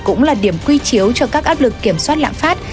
cũng là điểm quy chiếu cho các áp lực kiểm soát lạm phát